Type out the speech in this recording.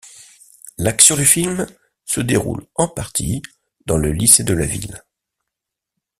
L'action du film se déroule en partie dans le lycée de la ville.